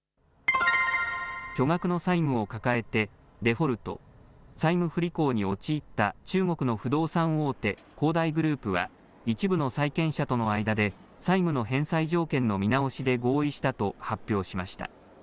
巨額の債務を抱えてデフォルト・債務不履行に陥った中国の不動産大手、恒大グループは一部の債権者との間で債務の返済条件の見直しで合意したと発表しました。